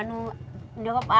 ini tidak ada apa apa